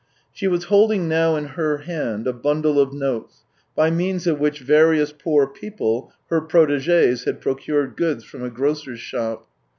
She was holding now in her hand a bundle of notes, by means of which various poor people, her proteges, had procured goods from a grocer's shop.